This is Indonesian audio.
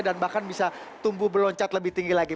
dan bahkan bisa tumbuh meloncat lebih tinggi lagi